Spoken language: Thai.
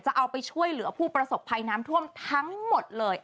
เอาไปช่วยเหลือผู้ประสบภัยน้ำท่วมทั้งหมดเลย